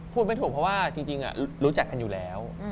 ไม่ถูกเพราะว่าจริงรู้จักกันอยู่แล้ว